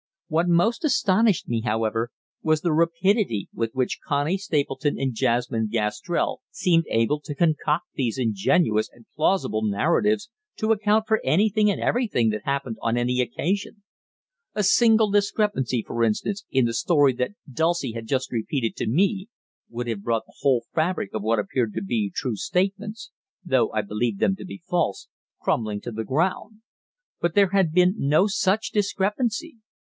What most astonished me, however, was the rapidity with which Connie Stapleton and Jasmine Gastrell seemed able to concoct these ingenious and plausible narratives to account for anything and everything that happened on any occasion. A single discrepancy, for instance, in the story that Dulcie had just repeated to me would have brought the whole fabric of what appeared to be true statements though I believed them to be false crumbling to the ground. But there had been no such discrepancy.